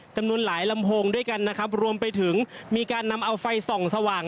จำนวนหลายลำโพงด้วยกันนะครับรวมไปถึงมีการนำเอาไฟส่องสว่าง